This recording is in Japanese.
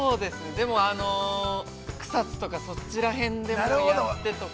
でも、草津とかそっちら辺でとか。